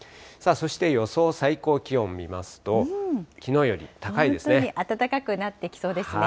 そして、予想最高気温見ますと、暖かくなってきそうですね。